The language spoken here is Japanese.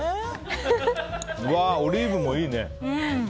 オリーブもいいね。